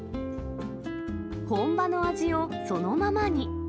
本場の味をそのままに。